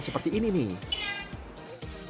seperti ini nih